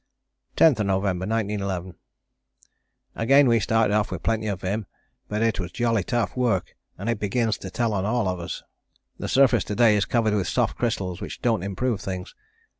"10th November 1911. "Again we started off with plenty of vim, but it was jolly tough work, and it begins to tell on all of us; the surface to day is covered with soft crystals which don't improve things.